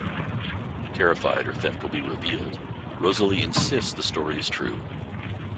Terrified her theft will be revealed, Rosalie insists the story is true.